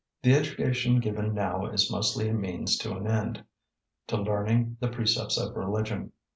The education given now is mostly a means to an end: to learning the precepts of religion.